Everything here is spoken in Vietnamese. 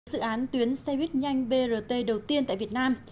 đây là dự án tuyến xe buýt nhanh brt đầu tiên tại việt nam